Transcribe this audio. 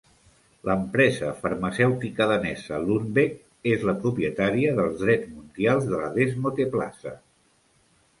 L'empresa farmacèutica danesa Lundbeck és la propietària dels drets mundials de la desmoteplasa.